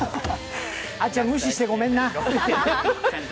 あっちゃん無視してごめんな。